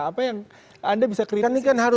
apa yang anda bisa kritisin seperti apa